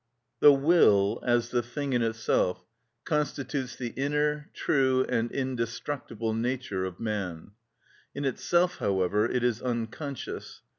The will, as the thing in itself, constitutes the inner, true, and indestructible nature of man; in itself, however, it is unconscious.